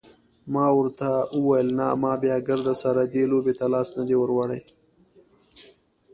ما ورته وویل نه ما بیا ګردسره دې لوبې ته لاس نه دی وروړی.